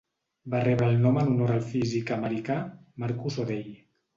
Va rebre el nom en honor al físic americà Marcus O'Day.